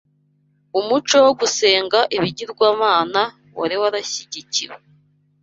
Umuco wo gusenga ibigirwamana wari warashyigikiwe